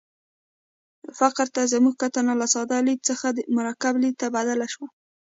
فقر ته زموږ کتنه له ساده لید څخه مرکب لید ته بدله شي.